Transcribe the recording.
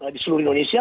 di seluruh indonesia